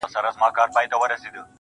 o زما خبري خدايه بيرته راکه .